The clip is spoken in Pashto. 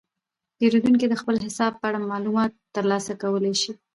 پیرودونکي د خپل حساب په اړه معلومات ترلاسه کولی شي.